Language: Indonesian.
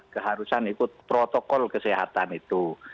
keharusan ikut protokol kesehatan itu